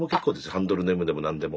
ハンドルネームでも何でも。